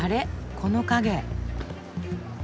この影。